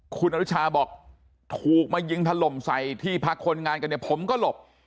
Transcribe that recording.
คุณอนุชาบอกถูกมายิงถล่มใส่ที่พักคนงานกันเนี่ยผมก็หลบ